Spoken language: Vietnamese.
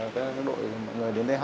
con đi làm đây